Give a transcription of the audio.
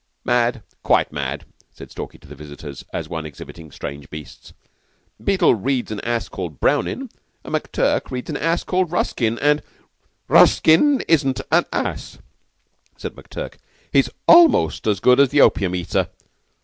"Mad! Quite mad!" said Stalky to the visitors, as one exhibiting strange beasts. "Beetle reads an ass called Brownin', and McTurk reads an ass called Ruskin; and " "Ruskin isn't an ass," said McTurk. "He's almost as good as the Opium Eater.